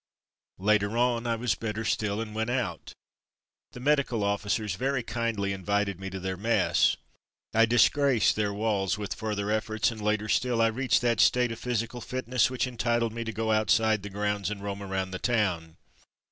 Later on I was better still, and went out. The medical officers very kindly invited me to their mess. I disgraced their walls with further efforts, and later still I reached that state of physical fitness which entitled me to go outside the grounds and roam around the town.